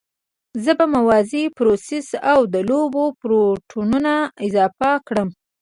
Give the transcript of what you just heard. زه به موازي پروسس او د لوبو پورټونه اضافه کړم